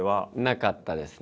なかったですね。